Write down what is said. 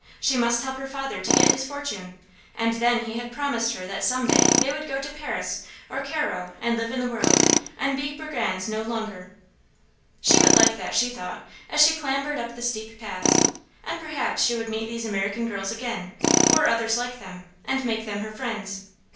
She must help her father to get his fortune, and then he had promised her that some day they would go to Paris or Cairo and live in the world, and be brigands no longer. She would like that, she thought, as she clambered up the steep paths; and perhaps she would meet these American girls again, or others like them, and make them her friends.